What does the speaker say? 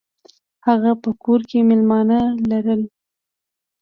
هغه په کور کې میلمانه لرل.